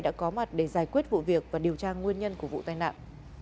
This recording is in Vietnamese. đã có mặt để giải quyết vụ việc và điều tra nguyên nhân của vụ tai nạn